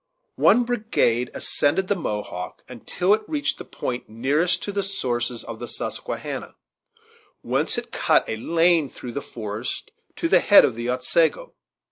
One brigade ascended the Mohawk until it reached the point nearest to the sources of the Susquehanna, whence it cut a lane through the forest to the head of the Otsego.